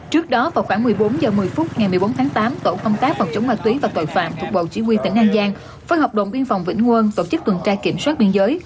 trước đó vào khoảng một mươi bốn h một mươi phút ngày một mươi bốn tháng tám tổ công tác phòng chống ma túy và tội phạm thuộc bộ chỉ huy tỉnh an giang phối hợp đồng biên phòng vĩnh quân tổ chức tuần tra kiểm soát biên giới